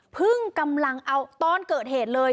กำลังเอาตอนเกิดเหตุเลย